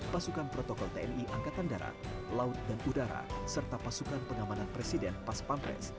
pasukan protokol tni angkatan darat laut dan udara serta pasukan pengamanan presiden pas pampres